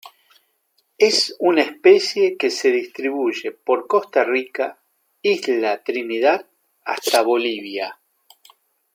Es una especie que se distribuye por Costa Rica, Isla Trinidad hasta Bolivia.